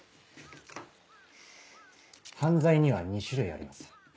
犯罪には２種類あります。